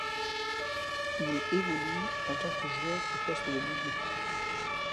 Il évolue en tant que joueur au poste de milieu.